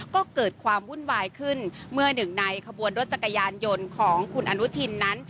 ก็เกิดความวุ่นวายขึ้นเมื่อหนึ่งในขบวนรถจักรยานยนต์ของคุณอนุทินนั้น